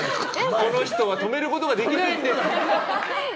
この人は止めることができないんです。